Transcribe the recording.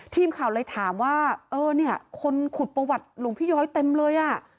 ทีมข่าวเลยถามว่าเออเนี่ยคนขุดประวัติหลวงพี่ย้อยเต็มเลยอ่ะ